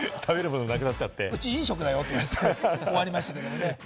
うち飲食だよ！って終わりましたけれどもね。